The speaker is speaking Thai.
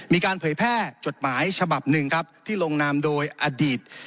เผยแพร่จดหมายฉบับหนึ่งครับที่ลงนามโดยอดีต